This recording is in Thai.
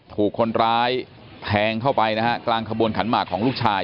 ถูกคนร้ายแทงเข้าไปนะฮะกลางขบวนขันหมากของลูกชาย